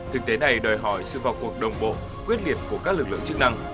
thực tế này đòi hỏi sự vào cuộc đồng bộ quyết liệt của các lực lượng chức năng